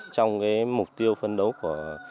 trong cái mục tiêu phấn đấu của